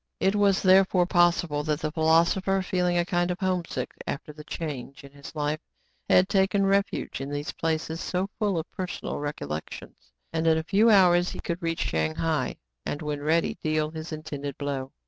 It was therefore possible that the philosopher, feeling a kind of homesickness after the change in his life, had taken refuge in these places so full of personal recollections ; and in a few hours he could reach Shang hai, and, when ready, deal his intended, blow.